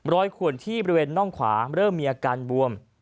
ขวนที่บริเวณน่องขวาเริ่มมีอาการบวม